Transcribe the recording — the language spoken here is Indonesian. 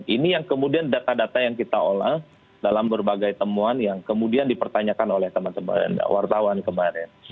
ini yang kemudian data data yang kita olah dalam berbagai temuan yang kemudian dipertanyakan oleh teman teman wartawan kemarin